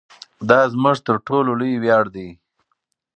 دا زموږ تر ټولو لوی ویاړ دی.